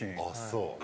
あっそう。